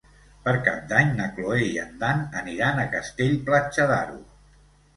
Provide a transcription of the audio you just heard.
Per Cap d'Any na Cloè i en Dan aniran a Castell-Platja d'Aro.